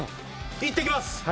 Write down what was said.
いってきます！